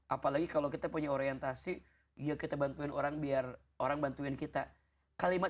apalagi kalau kita punya orientasi ya kita bantuin orang biar orang bantuin kita kalimat